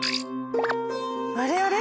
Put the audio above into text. あれあれ？